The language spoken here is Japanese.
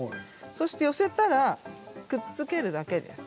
寄せたらくっつけるだけです。